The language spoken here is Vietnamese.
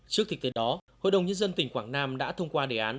trước thực tế đó hội đồng nhân dân tỉnh quảng nam đã thông qua đề án